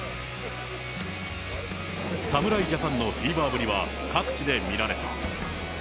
侍ジャパンのフィーバーぶりは各地で見られた。